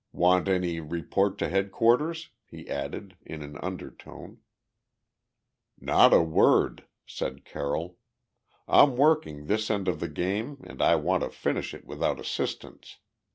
Want any report to headquarters?" he added, in an undertone. "Not a word," said Carroll. "I'm working this end of the game and I want to finish it without assistance.